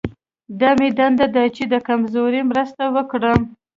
دا مې دنده ده چې د کمزوري مرسته وکړم.